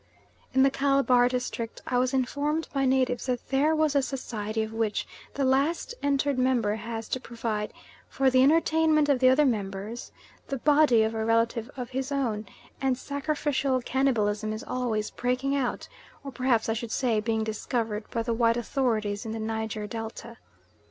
In the Calabar district I was informed by natives that there was a society of which the last entered member has to provide, for the entertainment of the other members, the body of a relative of his own, and sacrificial cannibalism is always breaking out, or perhaps I should say being discovered, by the white authorities in the Niger Delta.